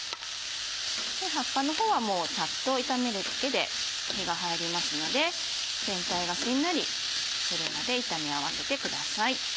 葉っぱの方はサッと炒めるだけで火が入りますので全体がしんなりするまで炒め合わせてください。